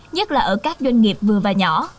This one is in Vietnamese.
nhất là ở các doanh nghiệp vừa và nhỏ